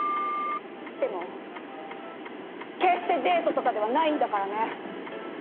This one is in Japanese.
でも決してデートとかではないんだからね。